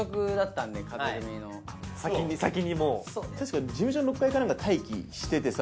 たしか事務所の６階かなんかに待機しててさ